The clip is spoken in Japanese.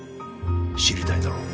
知りたいだろう？